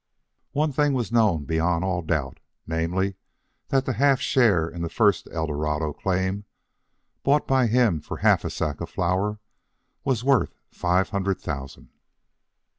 One thing was known beyond all doubt, namely, that the half share in the first Eldorado claim, bought by him for a half sack of flour, was worth five hundred thousand.